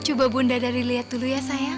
coba bunda dari lihat dulu ya sayang